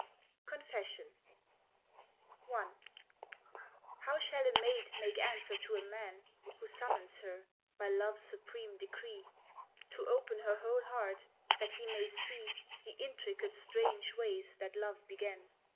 CONFESSION I How shall a maid make answer to a man Who summons her, by love's supreme decree, To open her whole heart, that he may see The intricate strange ways that love began.